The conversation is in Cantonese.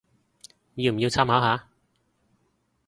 要唔要參考下